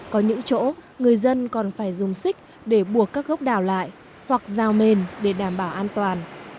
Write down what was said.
có những chỗ người dân còn phải dùng xích để buộc các gốc đào lại hoặc rào mềm để đảm bảo an toàn